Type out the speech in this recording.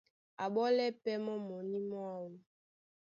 Á ɓole pɛ́ mɔ́ mɔní mwáō.